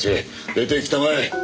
出ていきたまえ！